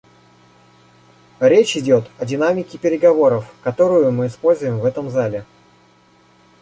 Речь идет о динамике переговоров, которую мы используем в этом зале.